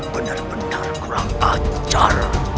benar benar kurang ajar